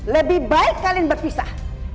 lebih baik kalian berpisah